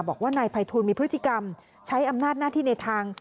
บอกว่านายภัยทูลมีพฤติกรรมใช้อำนาจหน้าที่ในทาง